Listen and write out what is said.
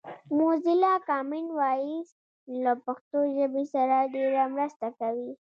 موزیلا کامن وایس له پښتو ژبې سره ډېره مرسته کوي